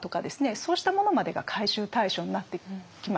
そうしたものまでが回収対象になってきます。